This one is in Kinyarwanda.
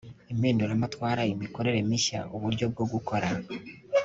Impinduramatwara Imikorere mishya uburyo bwo gukora